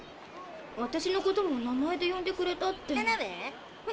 私のことも名前で呼んでくれたって。